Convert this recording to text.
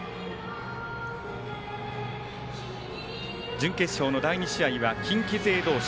準決勝の第２試合は近畿勢同士。